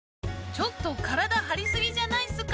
ちょっと体張り過ぎじゃないっすか！？